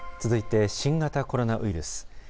続いて、新型コロナウイルス。